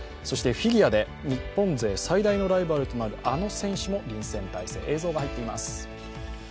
そして、フィギュアで日本勢最大のライバルとなるあの選手も臨戦態勢、映像が入っています。